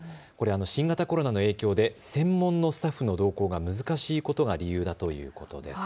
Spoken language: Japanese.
新型コロナの影響で専門のスタッフの同行が難しいことが理由だということです。